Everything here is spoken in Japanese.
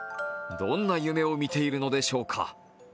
どんな夢を見ているのでしょうか。